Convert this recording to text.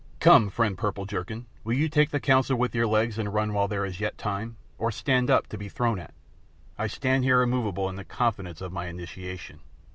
Come, friend Purple jerkin, will you take the council with your legs and run while there is yet time, or stand up to be thrown at?" "I stand here immoveable in the confidence of my initiation."